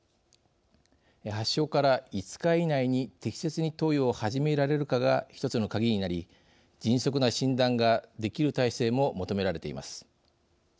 発症から５日以内に適切に投与を始められるかが１つの鍵になり迅速な診断ができる体制も求められています。